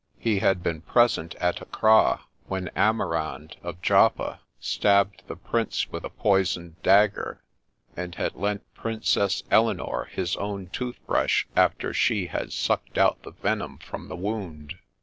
He had been present at Acre when Amirand of Joppa stabbed the prince with a poisoned dagger, and had lent Princess Eleanor his own tooth brush after she had sucked out the venom from the wound.